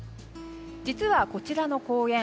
実はこちらの公園